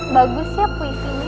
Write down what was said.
bagus ya puisinya